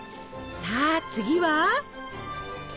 さあ次は？